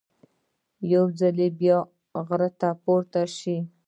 یو ځل بیا غره ته پورته شي.